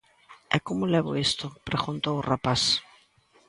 E como levo isto?, preguntou o rapaz.